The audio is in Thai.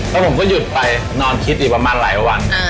แล้วผมก็หยุดไปนอนคิดอีกประมาณหลายวัน